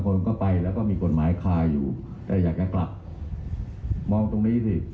ไม่ได้มีคดีกับใครไม่ใช่เหรอ